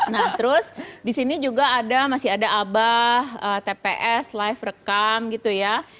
nah terus di sini juga ada masih ada abah tps live rekam gitu ya